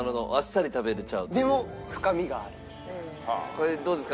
これどうですか？